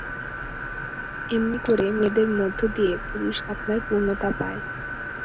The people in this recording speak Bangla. এমনি করে মেয়েদের মধ্য দিয়ে পুরুষ আপনার পূর্ণতা পায়।